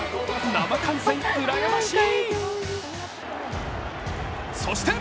生観戦うらやましい。